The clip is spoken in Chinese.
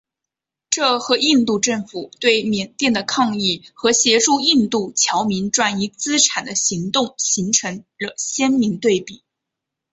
这和印度政府对缅甸的抗议和协助印度侨民转移资产的行动形成了鲜明对比。